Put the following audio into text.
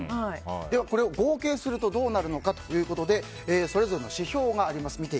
これを合計するとどうなるのかということでそれぞれの指標があります。